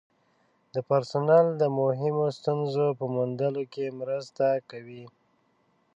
د پرسونل د مهمو ستونزو په موندلو کې مرسته کوي.